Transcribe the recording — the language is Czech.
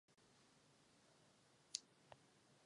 Ten se k Marii přihlásil.